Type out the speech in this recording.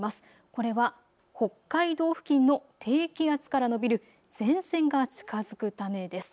これは北海道付近の低気圧から延びる前線が近づくためです。